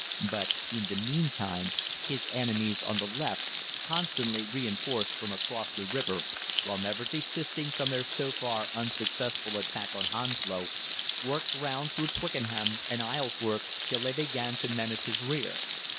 "But in the meantime his enemies on the left, constantly reinforced from across the river while never desisting from their so far unsuccessful attack on Hounslow worked round through Twickenham and Isleworth till they began to menace his rear.